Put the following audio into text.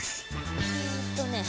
えっとね。